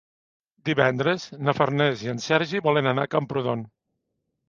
Divendres na Farners i en Sergi volen anar a Camprodon.